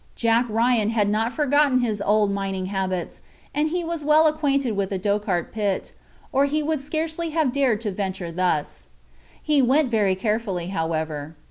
Jack Ryan had not forgotten his old mining habits, and he was well acquainted with the Dochart pit, or he would scarcely have dared to venture thus. He went very carefully, however.